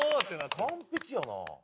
完璧やな！